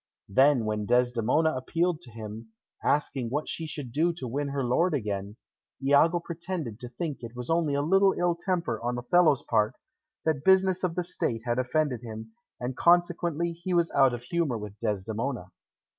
Then, when Desdemona appealed to him, asking what she should do to win her lord again, Iago pretended to think it was only a little ill temper on Othello's part, that business of the State had offended him, and consequently he was out of humour with Desdemona.